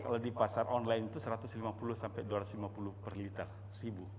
kalau di pasar online itu satu ratus lima puluh sampai dua ratus lima puluh per liter